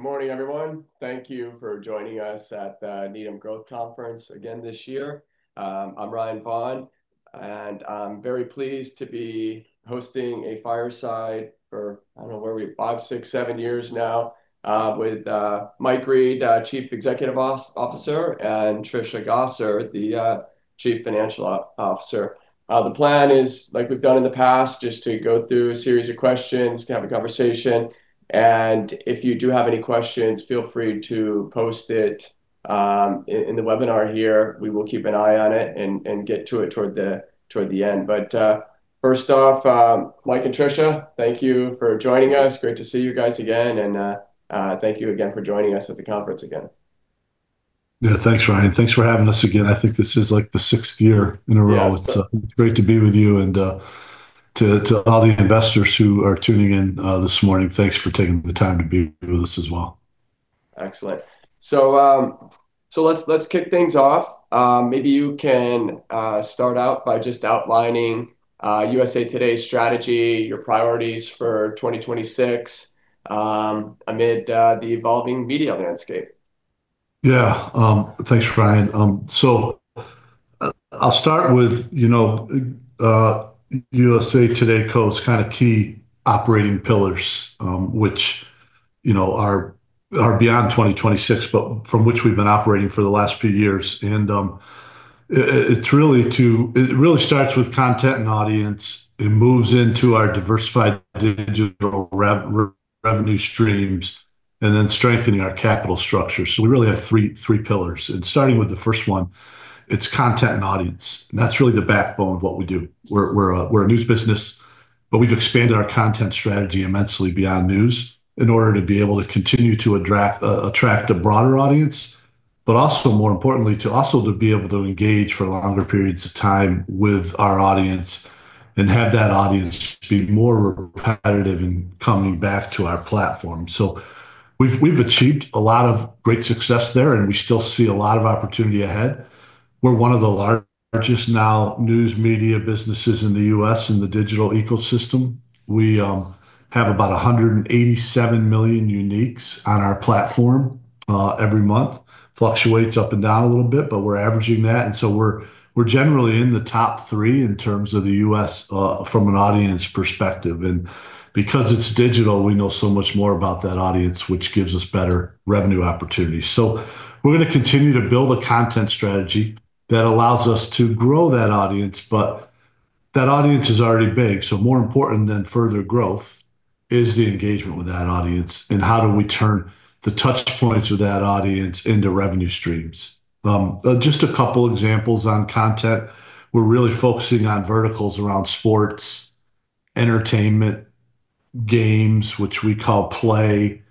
Good morning, everyone. Thank you for joining us at the Needham Growth Conference again this year. I'm Ryan Vaughan, and I'm very pleased to be hosting a fireside chat for, I don't know, where are we, five, six, seven years now, with Mike Reed, Chief Executive Officer, and Trisha Gosser, the Chief Financial Officer. The plan is, like we've done in the past, just to go through a series of questions, to have a conversation. And if you do have any questions, feel free to post it in the webinar here. We will keep an eye on it and get to it toward the end. But first off, Mike and Trisha, thank you for joining us. Great to see you guys again. And thank you again for joining us at the conference again. Yeah, thanks, Ryan. Thanks for having us again. I think this is like the sixth year in a row. It's great to be with you. And to all the investors who are tuning in this morning, thanks for taking the time to be with us as well. Excellent. So let's kick things off. Maybe you can start out by just outlining USA TODAY's strategy, your priorities for 2026 amid the evolving media landscape. Yeah, thanks, Ryan. So I'll start with USA TODAY Co.'s kind of key operating pillars, which are beyond 2026, but from which we've been operating for the last few years. And it really starts with content and audience. It moves into our diversified digital revenue streams and then strengthening our capital structure. So we really have three pillars. And starting with the first one, it's content and audience. And that's really the backbone of what we do. We're a news business, but we've expanded our content strategy immensely beyond news in order to be able to continue to attract a broader audience, but also, more importantly, to also be able to engage for longer periods of time with our audience and have that audience be more repetitive in coming back to our platform. So we've achieved a lot of great success there, and we still see a lot of opportunity ahead. We're one of the largest now news media businesses in the U.S. in the digital ecosystem. We have about 187 million uniques on our platform every month. Fluctuates up and down a little bit, but we're averaging that. And so we're generally in the top three in terms of the U.S. from an audience perspective. And because it's digital, we know so much more about that audience, which gives us better revenue opportunities. So we're going to continue to build a content strategy that allows us to grow that audience. But that audience is already big. So more important than further growth is the engagement with that audience and how do we turn the touchpoints with that audience into revenue streams. Just a couple of examples on content. We're really focusing on verticals around sports, entertainment, games, which we call PLAY,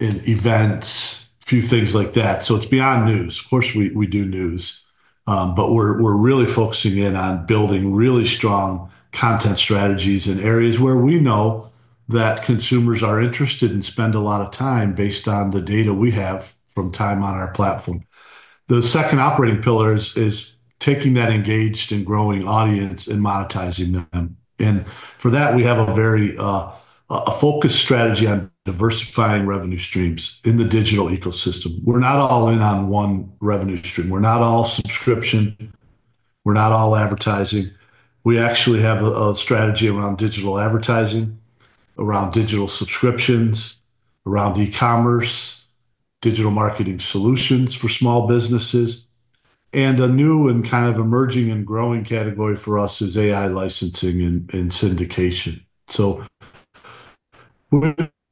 and events, a few things like that. So it's beyond news. Of course, we do news, but we're really focusing in on building really strong content strategies in areas where we know that consumers are interested and spend a lot of time based on the data we have from time on our platform. The second operating pillar is taking that engaged and growing audience and monetizing them, and for that, we have a very focused strategy on diversifying revenue streams in the digital ecosystem. We're not all in on one revenue stream. We're not all subscription. We're not all advertising. We actually have a strategy around digital advertising, around digital subscriptions, around e-commerce, digital marketing solutions for small businesses, and a new and kind of emerging and growing category for us is AI licensing and syndication.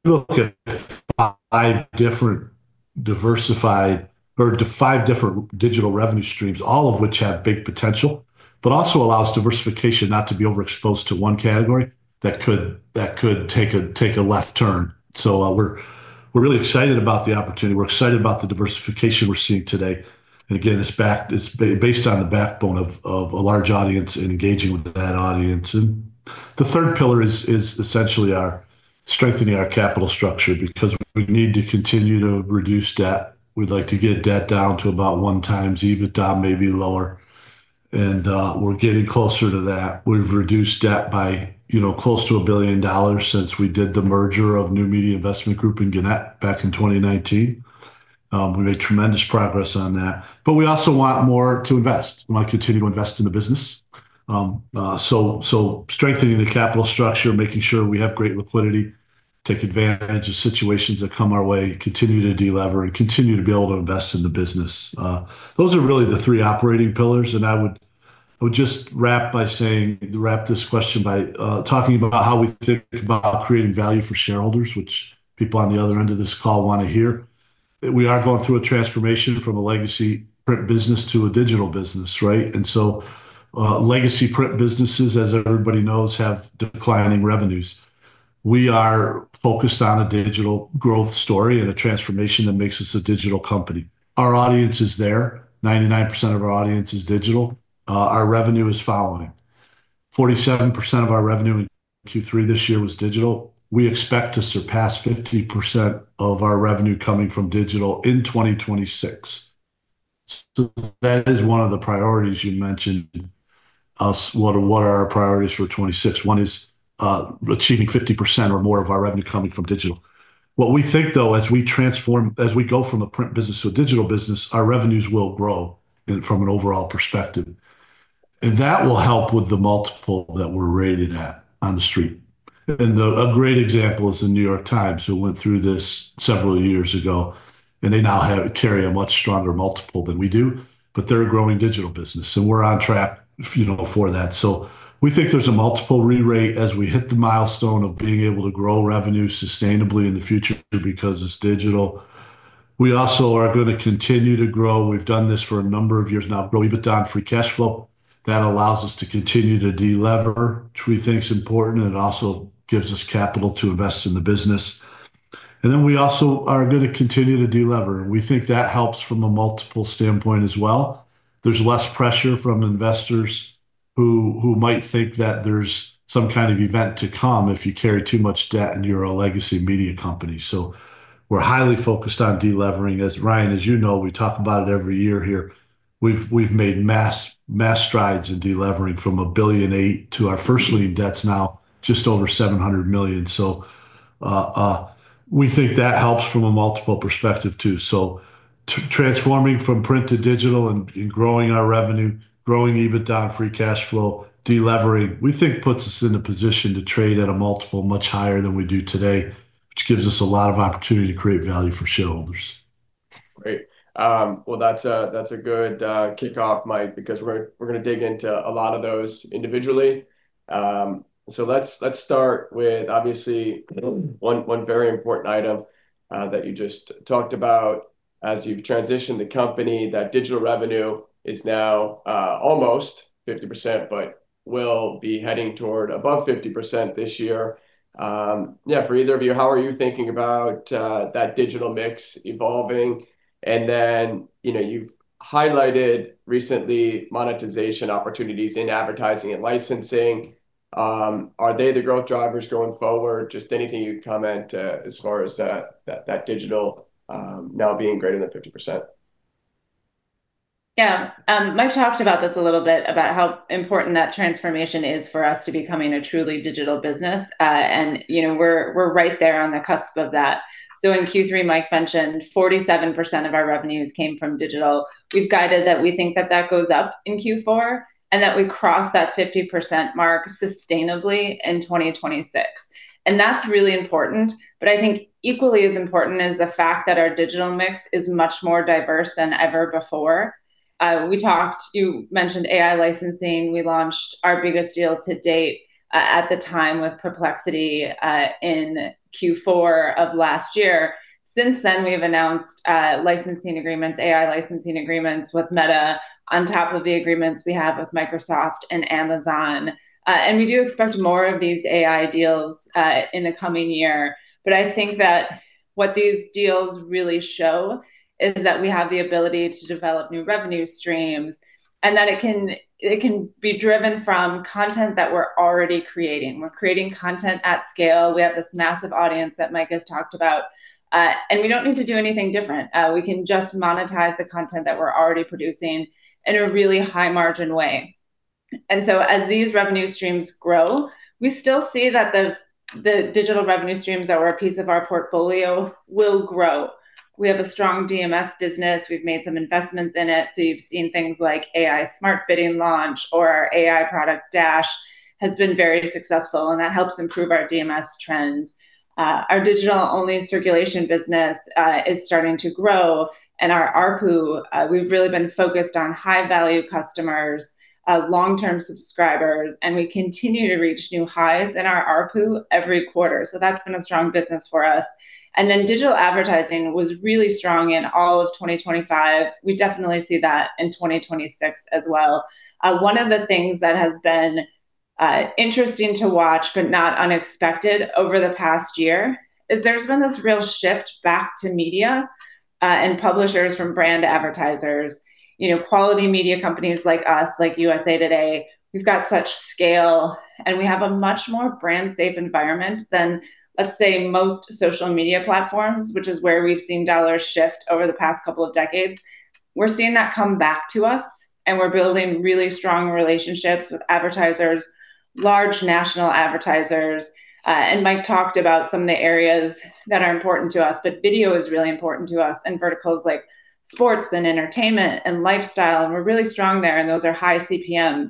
We look at five different diversified or five different digital revenue streams, all of which have big potential, but also allows diversification not to be overexposed to one category that could take a left turn. We're really excited about the opportunity. We're excited about the diversification we're seeing today. Again, it's based on the backbone of a large audience and engaging with that audience. The third pillar is essentially strengthening our capital structure because we need to continue to reduce debt. We'd like to get debt down to about 1x EBITDA, maybe lower. We're getting closer to that. We've reduced debt by close to $1 billion since we did the merger of New Media Investment Group and Gannett back in 2019. We made tremendous progress on that. We also want more to invest. We want to continue to invest in the business. So, strengthening the capital structure, making sure we have great liquidity, take advantage of situations that come our way, continue to deliver, and continue to be able to invest in the business. Those are really the three operating pillars. And I would just wrap this question by talking about how we think about creating value for shareholders, which people on the other end of this call want to hear. We are going through a transformation from a legacy print business to a digital business, right? And so legacy print businesses, as everybody knows, have declining revenues. We are focused on a digital growth story and a transformation that makes us a digital company. Our audience is there. 99% of our audience is digital. Our revenue is following. 47% of our revenue in Q3 this year was digital. We expect to surpass 50% of our revenue coming from digital in 2026, so that is one of the priorities you mentioned. What are our priorities for 2026? One is achieving 50% or more of our revenue coming from digital. What we think, though, as we transform, as we go from a print business to a digital business, our revenues will grow from an overall perspective, and that will help with the multiple that we're rated at on the street. And a great example is the New York Times. We went through this several years ago, and they now carry a much stronger multiple than we do, but they're a growing digital business. And we're on track for that, so we think there's a multiple rerate as we hit the milestone of being able to grow revenue sustainably in the future because it's digital. We also are going to continue to grow. We've done this for a number of years now. Grow EBITDA and free cash flow. That allows us to continue to deliver, which we think is important and also gives us capital to invest in the business. And then we also are going to continue to deliver. And we think that helps from a multiple standpoint as well. There's less pressure from investors who might think that there's some kind of event to come if you carry too much debt and you're a legacy media company. So we're highly focused on delivering. As Ryan, as you know, we talk about it every year here. We've made massive strides in delivering from $1 billion to our first lien debts now just over $700 million. So we think that helps from a multiple perspective too. So, transforming from print to digital and growing our revenue, growing EBITDA and free cash flow, delivering, we think, puts us in a position to trade at a multiple much higher than we do today, which gives us a lot of opportunity to create value for shareholders. Great. Well, that's a good kickoff, Mike, because we're going to dig into a lot of those individually. So let's start with, obviously, one very important item that you just talked about. As you've transitioned the company, that digital revenue is now almost 50%, but will be heading toward above 50% this year. Yeah, for either of you, how are you thinking about that digital mix evolving? And then you've highlighted recently monetization opportunities in advertising and licensing. Are they the growth drivers going forward? Just anything you'd comment as far as that digital now being greater than 50%? Yeah. Mike talked about this a little bit, about how important that transformation is for us to becoming a truly digital business. And we're right there on the cusp of that. So in Q3, Mike mentioned 47% of our revenues came from digital. We've guided that we think that that goes up in Q4 and that we cross that 50% mark sustainably in 2026. And that's really important. But I think equally as important is the fact that our digital mix is much more diverse than ever before. You mentioned AI licensing. We launched our biggest deal to date at the time with Perplexity in Q4 of last year. Since then, we have announced licensing agreements, AI licensing agreements with Meta on top of the agreements we have with Microsoft and Amazon. And we do expect more of these AI deals in the coming year. But I think that what these deals really show is that we have the ability to develop new revenue streams and that it can be driven from content that we're already creating. We're creating content at scale. We have this massive audience that Mike has talked about. And we don't need to do anything different. We can just monetize the content that we're already producing in a really high-margin way. And so as these revenue streams grow, we still see that the digital revenue streams that were a piece of our portfolio will grow. We have a strong DMS business. We've made some investments in it. So you've seen things like AI Smart Bidding launch or our AI product, Dash, has been very successful, and that helps improve our DMS trends. Our digital-only circulation business is starting to grow. And our ARPU, we've really been focused on high-value customers, long-term subscribers, and we continue to reach new highs in our ARPU every quarter. So that's been a strong business for us. And then digital advertising was really strong in all of 2025. We definitely see that in 2026 as well. One of the things that has been interesting to watch, but not unexpected over the past year, is there's been this real shift back to media and publishers from brand advertisers. Quality media companies like us, like USA TODAY, we've got such scale, and we have a much more brand-safe environment than, let's say, most social media platforms, which is where we've seen dollars shift over the past couple of decades. We're seeing that come back to us, and we're building really strong relationships with advertisers, large national advertisers. And Mike talked about some of the areas that are important to us, but video is really important to us and verticals like sports and entertainment and lifestyle, and we're really strong there, and those are high CPMs.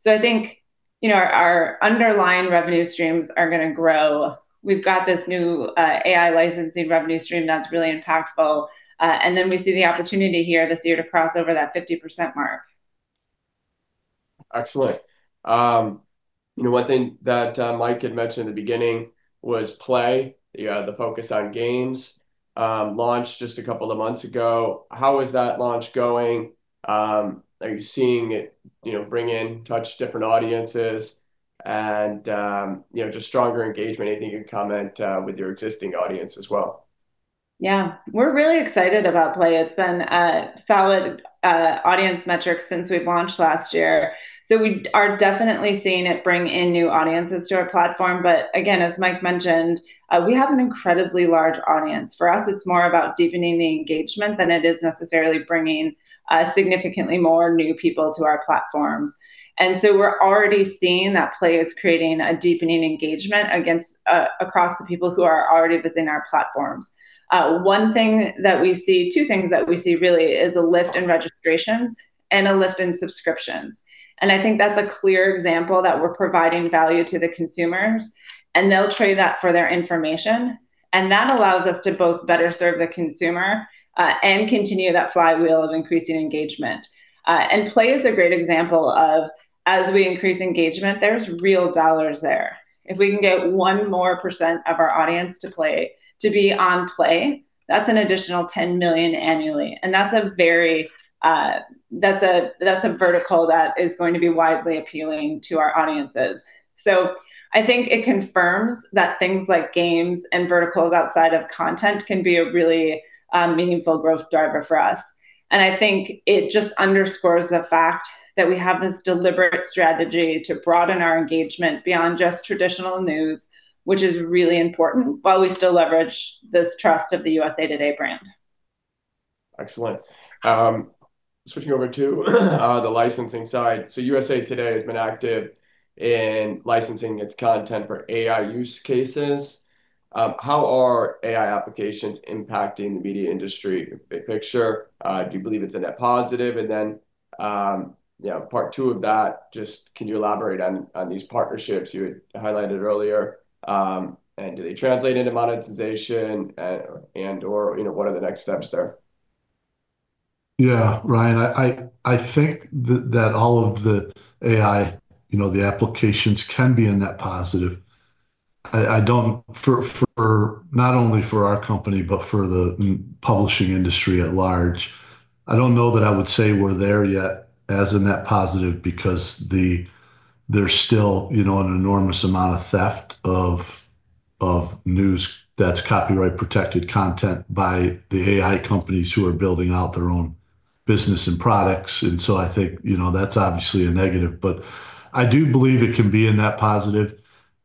So I think our underlying revenue streams are going to grow. We've got this new AI licensing revenue stream that's really impactful. And then we see the opportunity here this year to cross over that 50% mark. Excellent. One thing that Mike had mentioned in the beginning was PLAY, the focus on games, launched just a couple of months ago. How is that launch going? Are you seeing it bring in, touch different audiences, and just stronger engagement? Anything you can comment with your existing audience as well? Yeah. We're really excited about PLAY. It's been a solid audience metric since we've launched last year. So we are definitely seeing it bring in new audiences to our platform. But again, as Mike mentioned, we have an incredibly large audience. For us, it's more about deepening the engagement than it is necessarily bringing significantly more new people to our platforms. And so we're already seeing that PLAY is creating a deepening engagement across the people who are already visiting our platforms. One thing that we see, two things that we see really is a lift in registrations and a lift in subscriptions. And I think that's a clear example that we're providing value to the consumers, and they'll trade that for their information. And that allows us to both better serve the consumer and continue that flywheel of increasing engagement. PLAY is a great example of, as we increase engagement, there's real dollars there. If we can get 1% more of our audience to be on PLAY, that's an additional $10 million annually. That's a vertical that is going to be widely appealing to our audiences. It confirms that things like games and verticals outside of content can be a really meaningful growth driver for us. It just underscores the fact that we have this deliberate strategy to broaden our engagement beyond just traditional news, which is really important while we still leverage this trust of the USA TODAY brand. Excellent. Switching over to the licensing side. So USA TODAY has been active in licensing its content for AI use cases. How are AI applications impacting the media industry? Big picture. Do you believe it's a net positive? And then part two of that, just can you elaborate on these partnerships you had highlighted earlier? And do they translate into monetization and/or what are the next steps there? Yeah, Ryan, I think that all of the AI, the applications can be a net positive for not only our company, but for the publishing industry at large. I don't know that I would say we're there yet as a net positive because there's still an enormous amount of theft of news that's copyright-protected content by the AI companies who are building out their own business and products, and so I think that's obviously a negative, but I do believe it can be a net positive,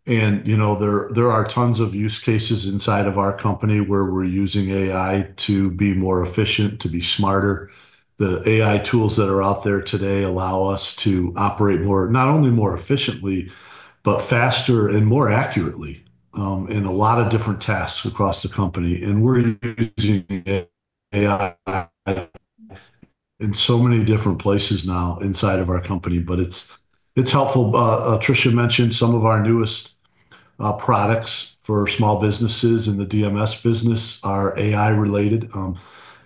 and there are tons of use cases inside of our company where we're using AI to be more efficient, to be smarter. The AI tools that are out there today allow us to operate not only more efficiently, but faster and more accurately in a lot of different tasks across the company. We're using AI in so many different places now inside of our company, but it's helpful. Trisha mentioned some of our newest products for small businesses in the DMS business are AI-related.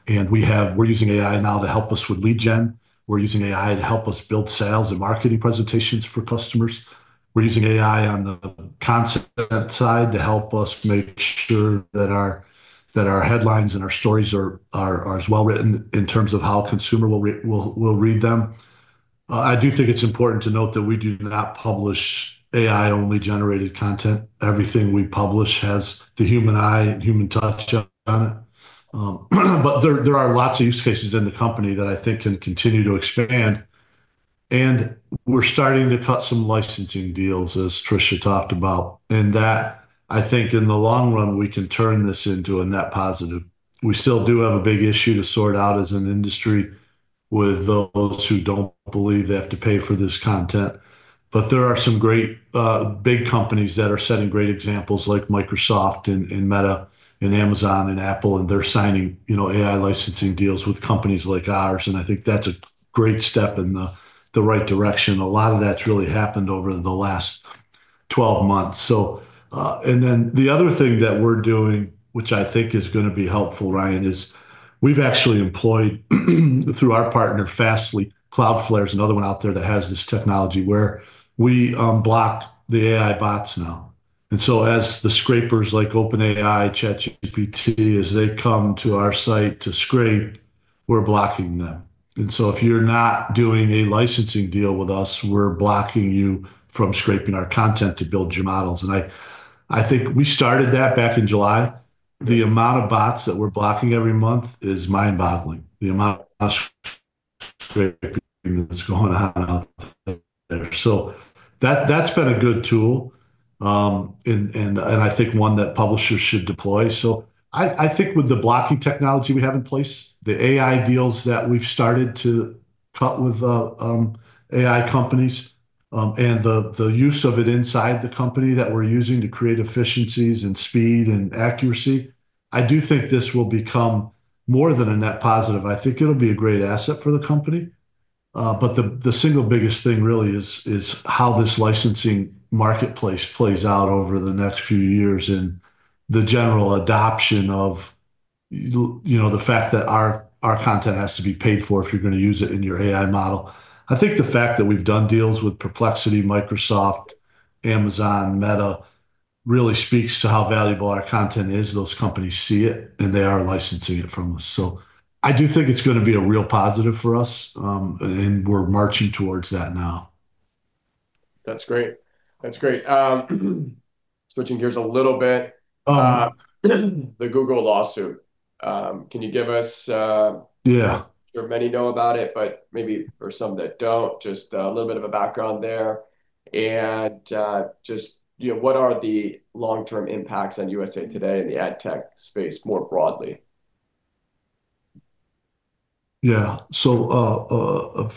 And we're using AI now to help us with lead gen. We're using AI to help us build sales and marketing presentations for customers. We're using AI on the content side to help us make sure that our headlines and our stories are as well written in terms of how consumers will read them. I do think it's important to note that we do not publish AI-only generated content. Everything we publish has the human eye and human touch on it. But there are lots of use cases in the company that I think can continue to expand. And we're starting to cut some licensing deals, as Trisha talked about. And that, I think in the long run, we can turn this into a net positive. We still do have a big issue to sort out as an industry with those who don't believe they have to pay for this content. But there are some great big companies that are setting great examples like Microsoft and Meta and Amazon and Apple, and they're signing AI licensing deals with companies like ours. And I think that's a great step in the right direction. A lot of that's really happened over the last 12 months. And then the other thing that we're doing, which I think is going to be helpful, Ryan, is we've actually employed through our partner, Fastly. Cloudflare is another one out there that has this technology where we block the AI bots now. As the scrapers like OpenAI and ChatGPT come to our site to scrape, we're blocking them. If you're not doing a licensing deal with us, we're blocking you from scraping our content to build your models. We started that back in July. The amount of bots that we're blocking every month is mind-boggling, and the amount of scraping that's going on out there is mind-boggling. That's been a good tool, and one that publishers should deploy. With the blocking technology we have in place, the AI deals that we've started to cut with AI companies, and the use of it inside the company that we're using to create efficiencies and speed and accuracy, this will become more than a net positive. It'll be a great asset for the company. But the single biggest thing really is how this licensing marketplace plays out over the next few years in the general adoption of the fact that our content has to be paid for if you're going to use it in your AI model. I think the fact that we've done deals with Perplexity, Microsoft, Amazon, Meta really speaks to how valuable our content is. Those companies see it, and they are licensing it from us. So I do think it's going to be a real positive for us, and we're marching towards that now. That's great. That's great. Switching gears a little bit, the Google lawsuit. Can you give us, you know, many know about it, but maybe for some that don't, just a little bit of a background there? And just what are the long-term impacts on USA TODAY and the ad tech space more broadly? Yeah. So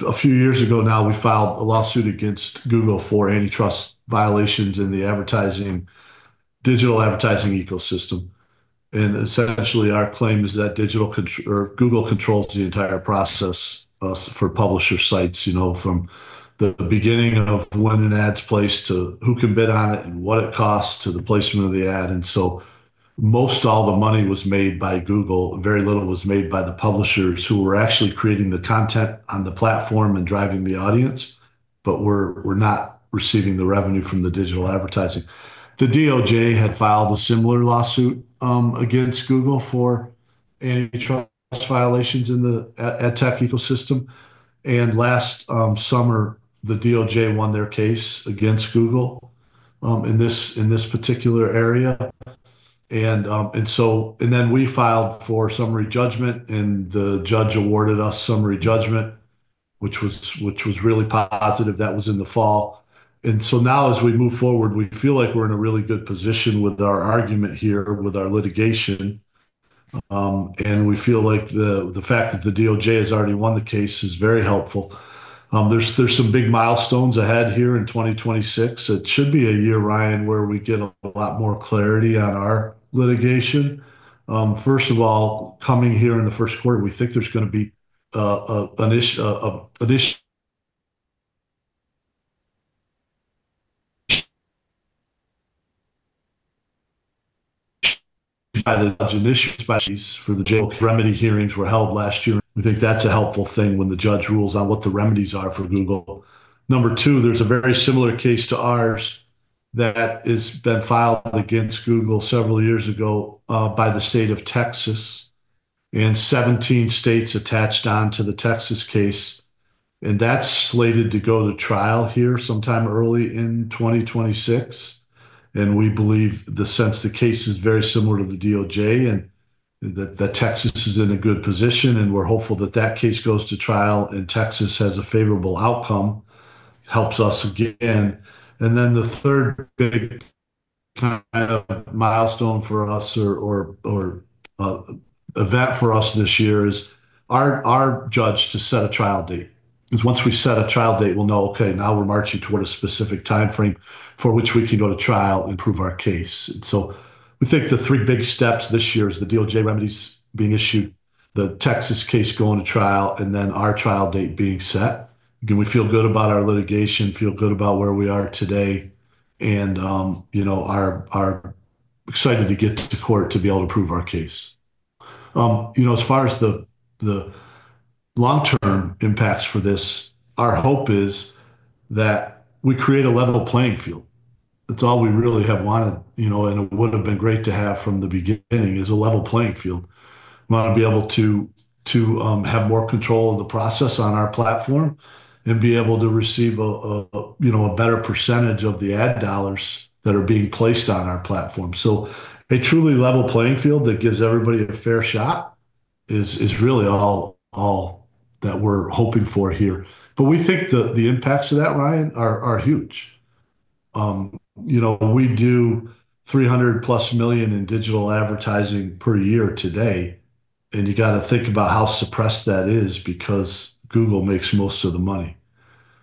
a few years ago now, we filed a lawsuit against Google for antitrust violations in the digital advertising ecosystem. And essentially, our claim is that Google controls the entire process for publisher sites from the beginning of when an ad's placed to who can bid on it, what it costs to the placement of the ad. And so most all the money was made by Google. Very little was made by the publishers who were actually creating the content on the platform and driving the audience, but we're not receiving the revenue from the digital advertising. The DOJ had filed a similar lawsuit against Google for antitrust violations in the ad tech ecosystem. And last summer, the DOJ won their case against Google in this particular area. And then we filed for summary judgment, and the judge awarded us summary judgment, which was really positive. That was in the fall. And so now, as we move forward, we feel like we're in a really good position with our argument here, with our litigation. And we feel like the fact that the DOJ has already won the case is very helpful. There's some big milestones ahead here in 2026. It should be a year, Ryan, where we get a lot more clarity on our litigation. First of all, coming here in the first court, we think there's going to be an issue by the judge for the remedy hearings were held last year. We think that's a helpful thing when the judge rules on what the remedies are for Google. Number two, there's a very similar case to ours that has been filed against Google several years ago by the state of Texas and 17 states attached on to the Texas case. And that's slated to go to trial here sometime early in 2026. And we believe since the case is very similar to the DOJ and that Texas is in a good position, and we're hopeful that that case goes to trial and Texas has a favorable outcome, helps us again. And then the third big kind of milestone for us or event for us this year is our judge to set a trial date. Once we set a trial date, we'll know, okay, now we're marching toward a specific timeframe for which we can go to trial and prove our case. And so we think the three big steps this year are the DOJ remedies being issued, the Texas case going to trial, and then our trial date being set. We feel good about our litigation, feel good about where we are today, and are excited to get to court to be able to prove our case. As far as the long-term impacts for this, our hope is that we create a level playing field. That's all we really have wanted, and it would have been great to have from the beginning is a level playing field. We want to be able to have more control of the process on our platform and be able to receive a better percentage of the ad dollars that are being placed on our platform. So a truly level playing field that gives everybody a fair shot is really all that we're hoping for here. But we think the impacts of that, Ryan, are huge. We do $300 plus million in digital advertising per year today, and you got to think about how suppressed that is because Google makes most of the money.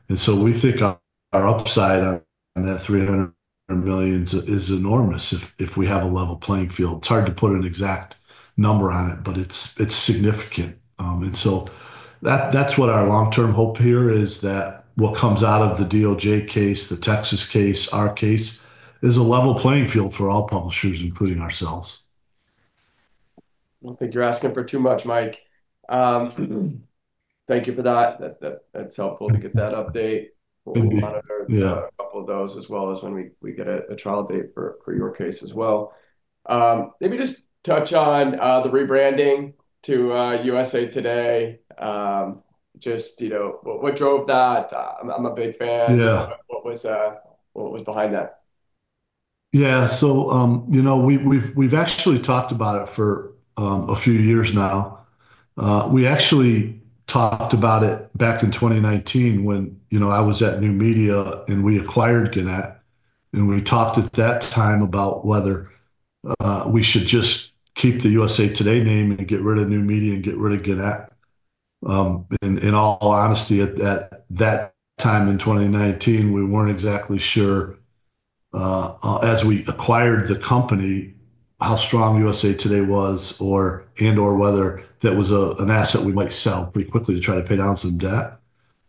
And so we think our upside on that $300 million is enormous if we have a level playing field. It's hard to put an exact number on it, but it's significant. And so that's what our long-term hope here is that what comes out of the DOJ case, the Texas case, our case is a level playing field for all publishers, including ourselves. I don't think you're asking for too much, Mike. Thank you for that. That's helpful to get that update. We'll monitor a couple of those as well as when we get a trial date for your case as well. Maybe just touch on the rebranding to USA TODAY. Just what drove that? I'm a big fan. What was behind that? Yeah. So we've actually talked about it for a few years now. We actually talked about it back in 2019 when I was at New Media and we acquired Gannett. And we talked at that time about whether we should just keep the USA TODAY name and get rid of New Media and get rid of Gannett. In all honesty, at that time in 2019, we weren't exactly sure as we acquired the company how strong USA TODAY was and/or whether that was an asset we might sell pretty quickly to try to pay down some debt.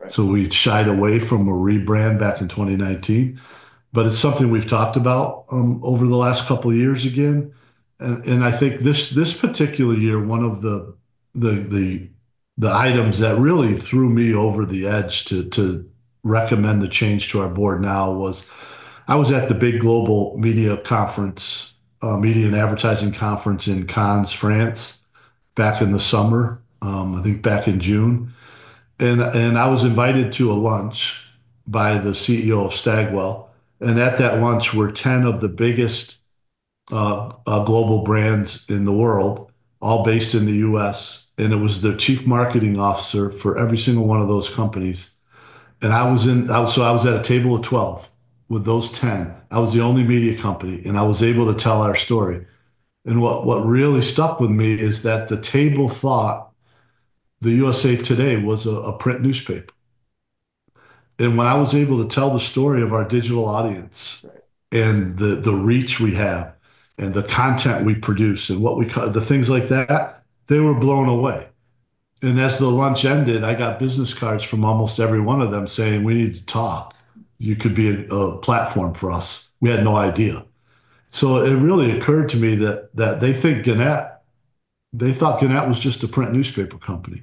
So we shied away from a rebrand back in 2019. But it's something we've talked about over the last couple of years again. And I think this particular year, one of the items that really threw me over the edge to recommend the change to our board now was I was at the big global media conference, media and advertising conference in Cannes, France, back in the summer, I think back in June. And I was invited to a lunch by the CEO of Stagwell. And at that lunch were 10 of the biggest global brands in the world, all based in the U.S. And it was the chief marketing officer for every single one of those companies. And so I was at a table of 12 with those 10. I was the only media company, and I was able to tell our story. And what really stuck with me is that the table thought the USA TODAY was a print newspaper. When I was able to tell the story of our digital audience and the reach we have and the content we produce and what we call the things like that, they were blown away. As the lunch ended, I got business cards from almost every one of them saying, "We need to talk. You could be a platform for us." We had no idea. It really occurred to me that they think Gannett, they thought Gannett was just a print newspaper company.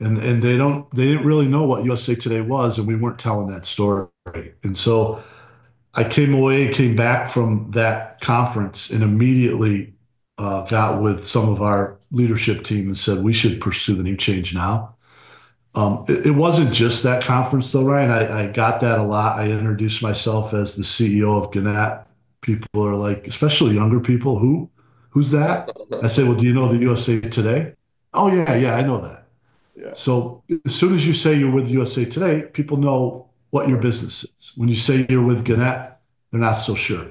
They didn't really know what USA TODAY was, and we weren't telling that story. I came away, came back from that conference, and immediately got with some of our leadership team and said, "We should pursue the new change now." It wasn't just that conference, though, Ryan. I got that a lot. I introduced myself as the CEO of Gannett. People are like, especially younger people, "Who's that?" I say, "Well, do you know the USA TODAY?" "Oh, yeah, yeah, I know that," so as soon as you say you're with USA TODAY, people know what your business is. When you say you're with Gannett, they're not so sure,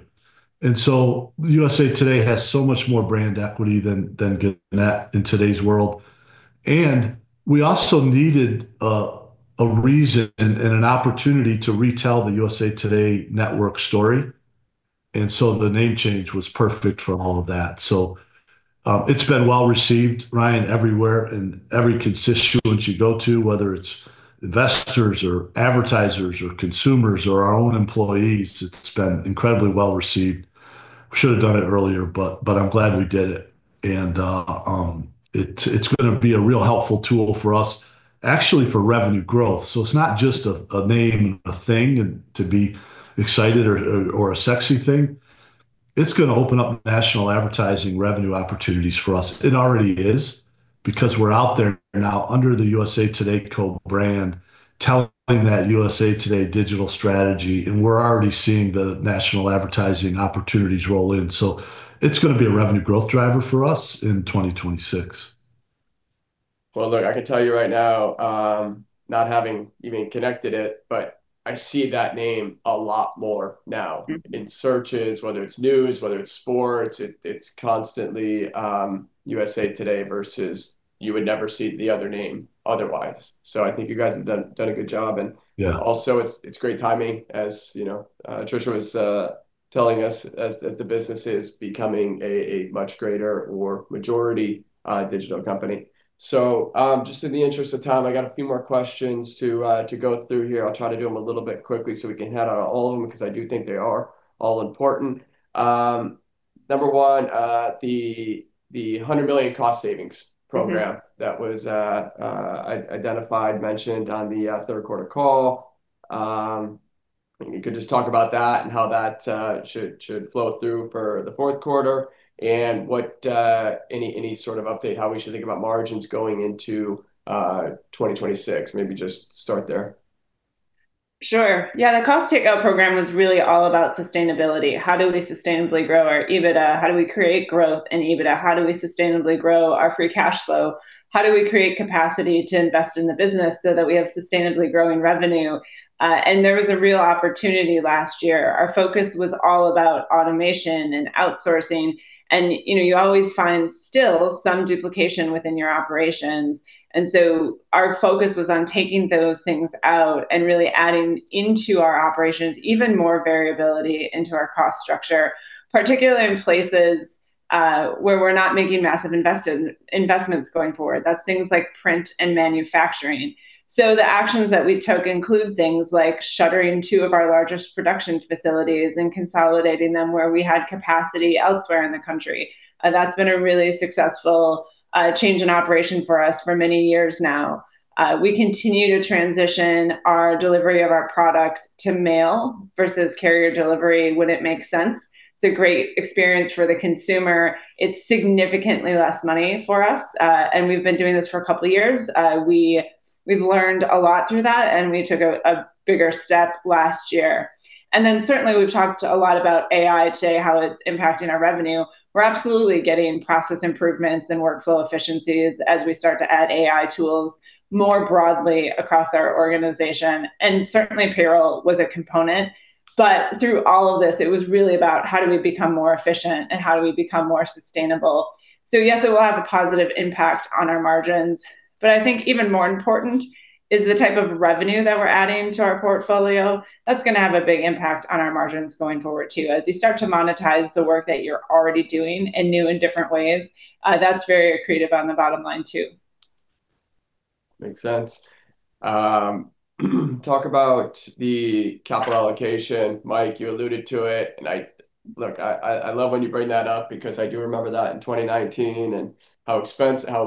and so USA TODAY has so much more brand equity than Gannett in today's world, and we also needed a reason and an opportunity to retell the USA TODAY Network story, and so the name change was perfect for all of that, so it's been well received, Ryan, everywhere and every constituent you go to, whether it's investors or advertisers or consumers or our own employees. It's been incredibly well received. We should have done it earlier, but I'm glad we did it, and it's going to be a real helpful tool for us, actually for revenue growth. So it's not just a name and a thing and to be excited or a sexy thing. It's going to open up national advertising revenue opportunities for us. It already is because we're out there now under the USA TODAY co-brand selling that USA TODAY digital strategy, and we're already seeing the national advertising opportunities roll in. So it's going to be a revenue growth driver for us in 2026. Look, I can tell you right now, not having even connected it, but I see that name a lot more now in searches, whether it's news, whether it's sports. It's constantly USA TODAY versus you would never see the other name otherwise. So I think you guys have done a good job. And also, it's great timing, as Trisha was telling us, as the business is becoming a much greater or majority digital company. So just in the interest of time, I got a few more questions to go through here. I'll try to do them a little bit quickly so we can head out all of them because I do think they are all important. Number one, the $100 million cost savings program that was identified, mentioned on the third quarter call. You could just talk about that and how that should flow through for the fourth quarter and any sort of update, how we should think about margins going into 2026. Maybe just start there. Sure. Yeah. The cost takeout program was really all about sustainability. How do we sustainably grow our EBITDA? How do we create growth in EBITDA? How do we sustainably grow our free cash flow? How do we create capacity to invest in the business so that we have sustainably growing revenue, and there was a real opportunity last year. Our focus was all about automation and outsourcing, and you always find still some duplication within your operations. And so our focus was on taking those things out and really adding into our operations even more variability into our cost structure, particularly in places where we're not making massive investments going forward. That's things like print and manufacturing, so the actions that we took include things like shuttering two of our largest production facilities and consolidating them where we had capacity elsewhere in the country. That's been a really successful change in operation for us for many years now. We continue to transition our delivery of our product to mail versus carrier delivery when it makes sense. It's a great experience for the consumer. It's significantly less money for us, and we've been doing this for a couple of years. We've learned a lot through that, and we took a bigger step last year, and then certainly, we've talked a lot about AI today, how it's impacting our revenue. We're absolutely getting process improvements and workflow efficiencies as we start to add AI tools more broadly across our organization, and certainly, payroll was a component, but through all of this, it was really about how do we become more efficient and how do we become more sustainable, so yes, it will have a positive impact on our margins. But I think even more important is the type of revenue that we're adding to our portfolio. That's going to have a big impact on our margins going forward too. As you start to monetize the work that you're already doing in new and different ways, that's very accretive on the bottom line too. Makes sense. Talk about the capital allocation. Mike, you alluded to it. And look, I love when you bring that up because I do remember that in 2019 and how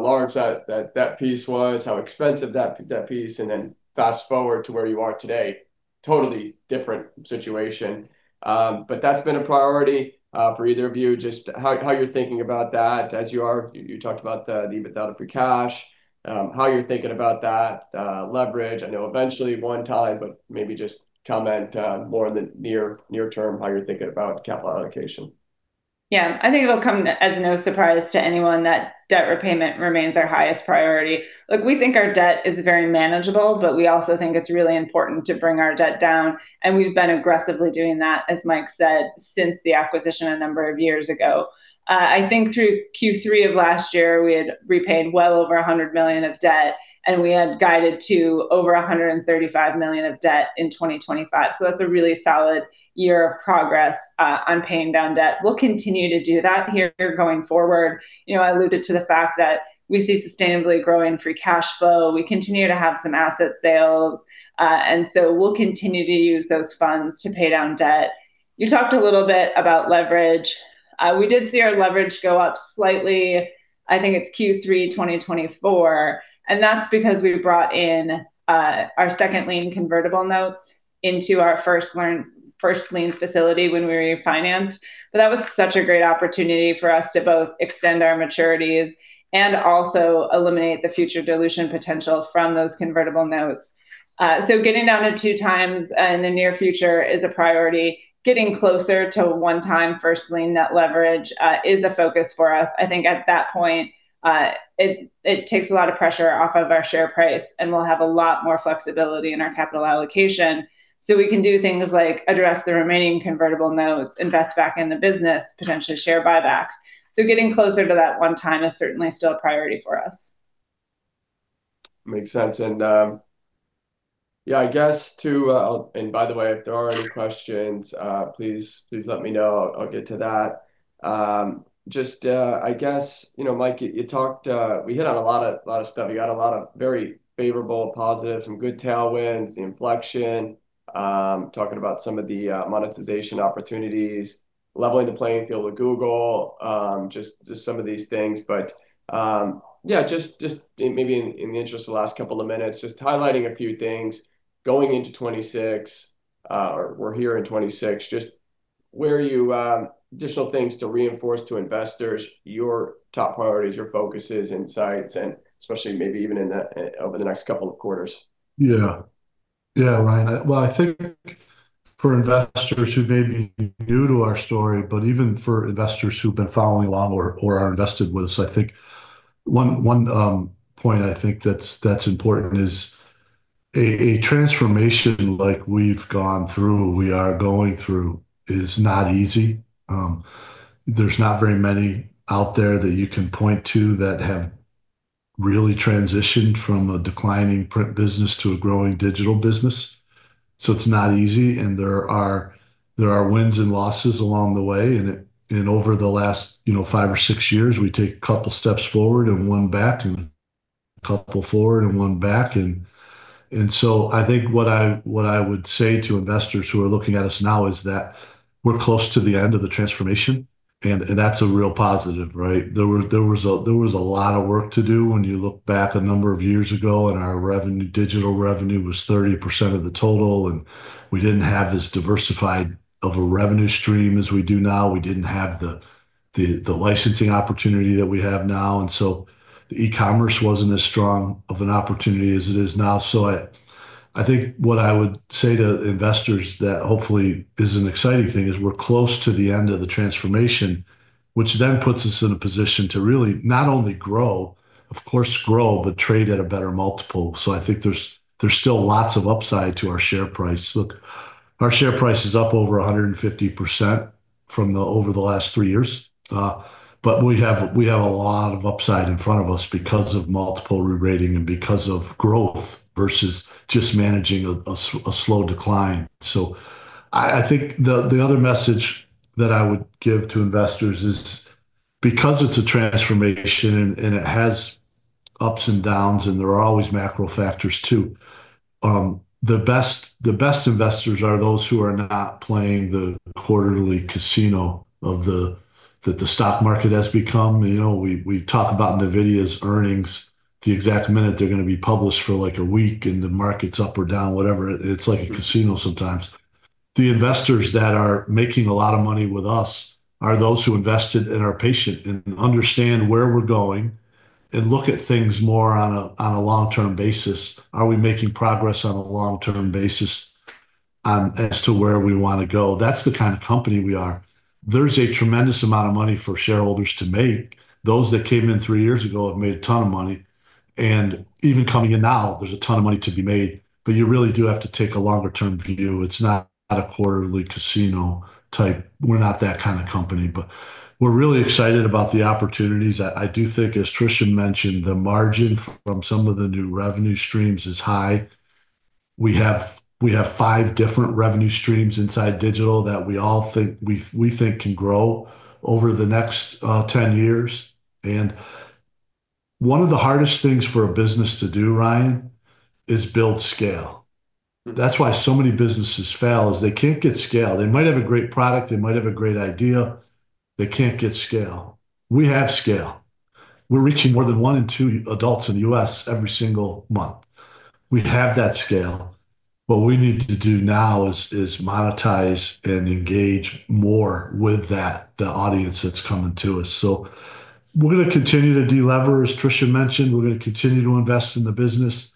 large that piece was, how expensive that piece. And then fast forward to where you are today, totally different situation. But that's been a priority for either of you, just how you're thinking about that as you talked about the EBITDA to free cash, how you're thinking about that leverage. I know eventually one time, but maybe just comment more near-term how you're thinking about capital allocation. Yeah. I think it'll come as no surprise to anyone that debt repayment remains our highest priority. Look, we think our debt is very manageable, but we also think it's really important to bring our debt down. We've been aggressively doing that, as Mike said, since the acquisition a number of years ago. I think through Q3 of last year, we had repaid well over $100 million of debt, and we had guided to over $135 million of debt in 2025. That's a really solid year of progress on paying down debt. We'll continue to do that here going forward. I alluded to the fact that we see sustainably growing free cash flow. We continue to have some asset sales. We'll continue to use those funds to pay down debt. You talked a little bit about leverage. We did see our leverage go up slightly. I think it's Q3 2024. And that's because we brought in our second lien convertible notes into our first lien facility when we refinanced. But that was such a great opportunity for us to both extend our maturities and also eliminate the future dilution potential from those convertible notes. So getting down to two times in the near future is a priority. Getting closer to one-time first lien net leverage is a focus for us. I think at that point, it takes a lot of pressure off of our share price, and we'll have a lot more flexibility in our capital allocation. So we can do things like address the remaining convertible notes, invest back in the business, potentially share buybacks. So getting closer to that one time is certainly still a priority for us. Makes sense. And yeah, I guess too, and by the way, if there are any questions, please let me know. I'll get to that. Just I guess, Mike, we hit on a lot of stuff. You got a lot of very favorable, positive, some good tailwinds, the inflection, talking about some of the monetization opportunities, leveling the playing field with Google, just some of these things. But yeah, just maybe in the interest of the last couple of minutes, just highlighting a few things going into 2026 or we're here in 2026, just additional things to reinforce to investors, your top priorities, your focuses, insights, and especially maybe even over the next couple of quarters. Yeah. Yeah, Ryan, well, I think for investors who may be new to our story, but even for investors who've been following along or are invested with us, I think one point I think that's important is a transformation like we've gone through, we are going through is not easy. There's not very many out there that you can point to that have really transitioned from a declining print business to a growing digital business, so it's not easy, and there are wins and losses along the way, and over the last five or six years, we take a couple of steps forward and one back and a couple forward and one back, and so I think what I would say to investors who are looking at us now is that we're close to the end of the transformation, and that's a real positive, right? There was a lot of work to do. When you look back a number of years ago, and our digital revenue was 30% of the total, and we didn't have as diversified of a revenue stream as we do now. We didn't have the licensing opportunity that we have now, and so the e-commerce wasn't as strong of an opportunity as it is now, so I think what I would say to investors that hopefully is an exciting thing is we're close to the end of the transformation, which then puts us in a position to really not only grow, of course, grow, but trade at a better multiple, so I think there's still lots of upside to our share price. Look, our share price is up over 150% from over the last three years. But we have a lot of upside in front of us because of multiple re-rating and because of growth versus just managing a slow decline. So I think the other message that I would give to investors is because it's a transformation and it has ups and downs, and there are always macro factors too. The best investors are those who are not playing the quarterly casino that the stock market has become. We talk about NVIDIA's earnings the exact minute they're going to be published for like a week and the market's up or down, whatever. It's like a casino sometimes. The investors that are making a lot of money with us are those who invested and are patient and understand where we're going and look at things more on a long-term basis. Are we making progress on a long-term basis as to where we want to go? That's the kind of company we are. There's a tremendous amount of money for shareholders to make. Those that came in three years ago have made a ton of money, and even coming in now, there's a ton of money to be made. But you really do have to take a longer-term view. It's not a quarterly casino type. We're not that kind of company, but we're really excited about the opportunities. I do think, as Trisha mentioned, the margin from some of the new revenue streams is high. We have five different revenue streams inside digital that we all think can grow over the next 10 years, and one of the hardest things for a business to do, Ryan, is build scale. That's why so many businesses fail is they can't get scale. They might have a great product. They might have a great idea. They can't get scale. We have scale. We're reaching more than one in two adults in the U.S. every single month. We have that scale. What we need to do now is monetize and engage more with that, the audience that's coming to us. We're going to continue to deliver, as Trisha mentioned. We're going to continue to invest in the business.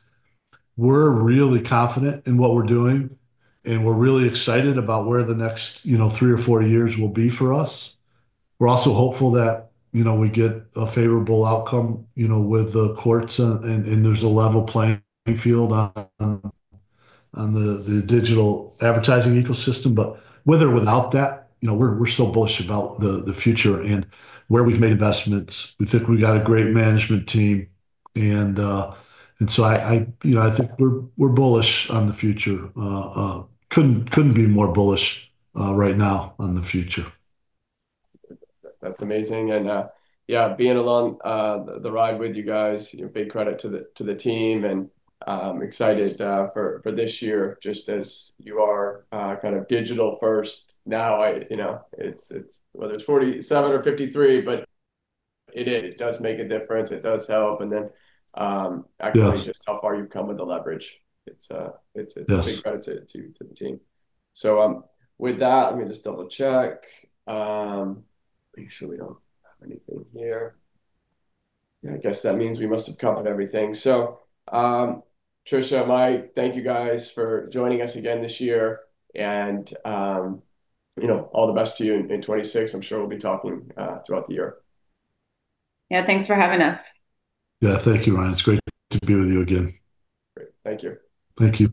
We're really confident in what we're doing, and we're really excited about where the next three or four years will be for us. We're also hopeful that we get a favorable outcome with the courts, and there's a level playing field on the digital advertising ecosystem. With or without that, we're so bullish about the future and where we've made investments. We think we've got a great management team. I think we're bullish on the future. Couldn't be more bullish right now on the future. That's amazing, and yeah, being along the ride with you guys, big credit to the team, and excited for this year, just as you are kind of digital first now. Whether it's 47 or 53, but it does make a difference. It does help. Then actually just how far you've come with the leverage. It's a big credit to the team. With that, let me just double-check. Make sure we don't have anything here. Yeah, I guess that means we must have covered everything. Trisha, Mike, thank you guys for joining us again this year. All the best to you in 2026. I'm sure we'll be talking throughout the year. Yeah. Thanks for having us. Yeah. Thank you, Ryan. It's great to be with you again. Great. Thank you. Thank you.